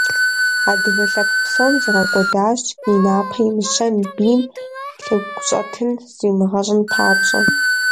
Адыгэ лъэпкъ псом зигъэкӀуэдащ и напэр имыщэн, бийм лъэгущӀэтын зримыгъэщӀын папщӀэ.